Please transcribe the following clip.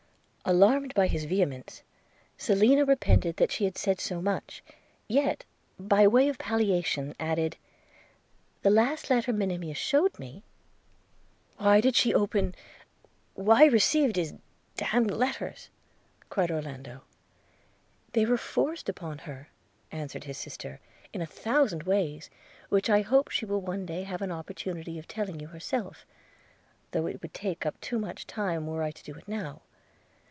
Alarmed by his vehemence, Selina repented that she had said so much; yet, by way of palliation, added – 'The last letter Monimia shewed me ...' 'Why did she open – why receive his d – d letters?' cried Orlando. 'They were forced upon her,' answered his sister, 'in a thousand ways, which I hope she will one day have an opportunity of telling you herself, though it would take up too much time were I to do it now.